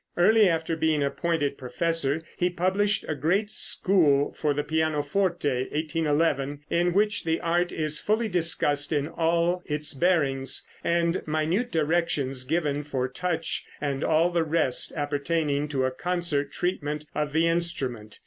Early after being appointed professor he published a great school for the pianoforte (1811), in which the art is fully discussed in all its bearings, and minute directions given for touch and all the rest appertaining to a concert treatment of the instrument.